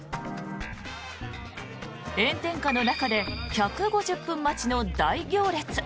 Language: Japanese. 炎天下の中で１５０分待ちの大行列。